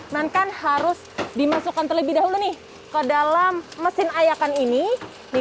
nah kan harus dimasukkan terlebih dahulu nih ke dalam mesin ayakan ini